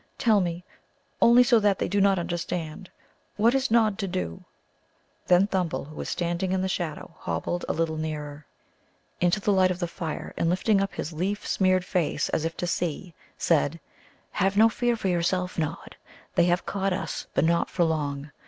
Tell me, only so that they do not understand, what is Nod to do." Then Thimble, who was standing in the shadow, hobbled a little nearer into the light of the fire, and lifting up his leaf smeared face as if to see, said: "Have no fear for yourself, Nod. They have caught us, but not for long.